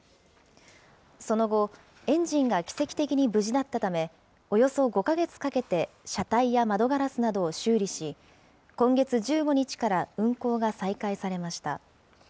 その後、エンジンが奇跡的に無事だったため、およそ５か月かけて車体や窓ガラスなどを修理し、今月１５日から運行が再開されました。